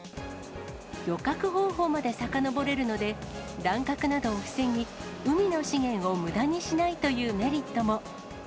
漁獲方法までさかのぼれるので、乱獲などを防ぎ、海の資源をむだにしないというメリットも。